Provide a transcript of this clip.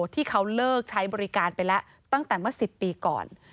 ที่เขาเลิกใช้บริการไปแล้วตั้งแต่เมื่อ๑๐ปีก่อน